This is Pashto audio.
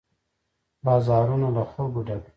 بازارونه له خلکو ډک وي.